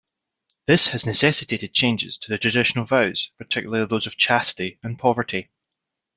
This has necessitated changes to the traditional vows, particularly those of chastity and poverty.